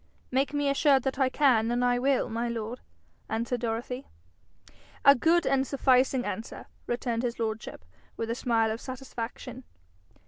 'Make me assured that I can, and I will, my lord,' answered Dorothy. 'A good and sufficing answer,' returned his lordship, with a smile of satisfaction.